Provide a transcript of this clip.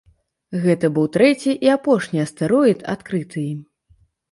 Гэта быў трэці і апошні астэроід, адкрыты ім.